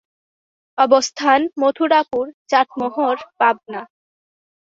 অবস্থান: মথুরাপুর, চাটমোহর, পাবনা।